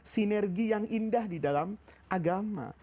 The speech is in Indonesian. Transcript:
sinergi yang indah di dalam agama